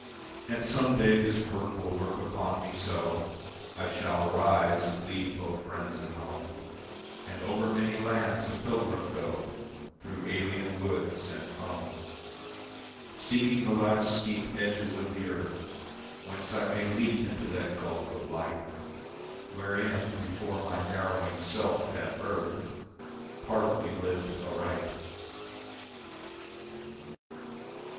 And some day this work will work upon me so I shall arise and leave both friends and home And over many lands a pilgrim go Through alien woods and foam, Seeking the last steep edges of the earth Whence I may leap into that gulf of light Wherein, before my narrowing Self had birth, Part of me lived aright.